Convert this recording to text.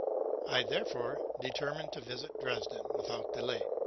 I therefore deter mined to visit Dresden without delay.